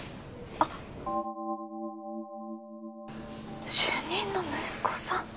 あっ主任の息子さん